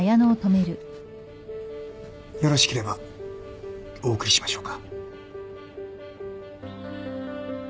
よろしければお送りしましょうか？